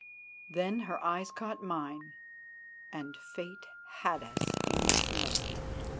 Then her eyes caught mine, and Fate had us in its net.